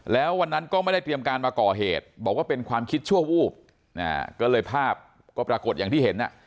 แล้ววันนั้นก็ไม่ได้เตรียมการมาก่อเหตุบอกว่าเป็นความคิดชั่ววูบก็เลยภาพก็ปรากฏอย่างที่เห็นอ่ะ